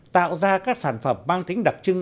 tạo ra các sản phẩm mang tính đặc trưng